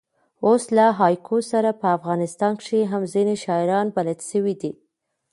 اوس له هایکو سره په افغانستان کښي هم ځیني شاعران بلد سوي دي.